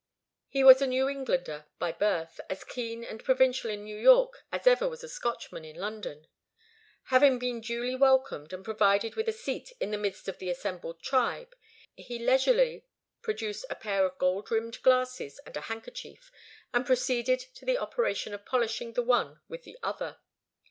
He was a New Englander by birth, as keen and provincial in New York as ever was a Scotchman in London. Having been duly welcomed, and provided with a seat in the midst of the assembled tribe, he leisurely produced a pair of gold rimmed glasses and a handkerchief, and proceeded to the operation of polishing the one with the other.